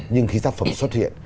nhưng khi tác phẩm xuất hiện